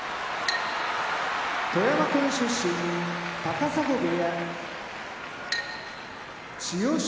富山県出身高砂部屋千代翔